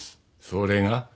それが？